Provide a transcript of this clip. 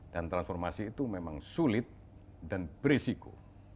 dan transformasi itu memang sulit dan berisiko